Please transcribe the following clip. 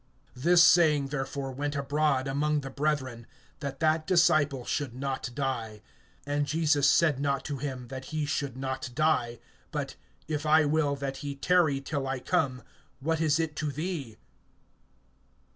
(23)This saying therefore went abroad among the brethren, that that disciple should not die. And Jesus said not to him, that he should not die; but, If I will that he tarry till I come, what is it to thee?